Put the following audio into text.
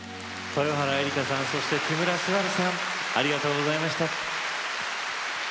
豊原江理佳さんそして木村昴さんありがとうございました。